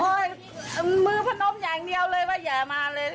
มือพนมอย่างเดียวเลยว่าอย่ามาเลย